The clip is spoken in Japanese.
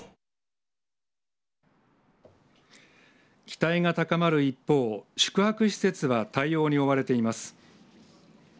期待が高まる一方宿泊施設は対応に追われています。